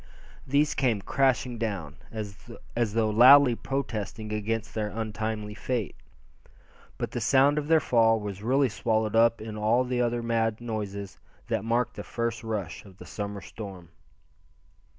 These came crashing down, as though loudly protesting against their untimely fate. But the sound of their fall was really swallowed up in all the other mad noises that marked the first rush of the summer storm.